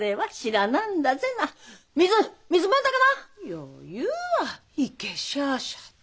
よう言うわいけしゃあしゃあと。